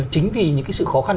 chính vì những cái sự khó khăn